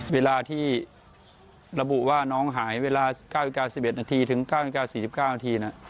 เวลาที่ระบุว่าน้องหายเวลา๙๔๑นถึง๙๔๙น